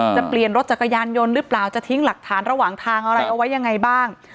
จะเปลี่ยนรถจักรยานยนต์หรือเปล่าจะทิ้งหลักฐานระหว่างทางอะไรเอาไว้ยังไงบ้าง